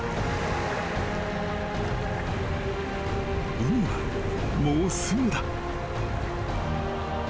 ［海はもうすぐだ］